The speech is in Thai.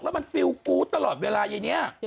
แล้วมันฟิลกู๊ดตลอดเวลายายนี้